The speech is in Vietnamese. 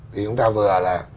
thì chúng ta vừa là